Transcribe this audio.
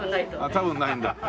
多分ないんだ。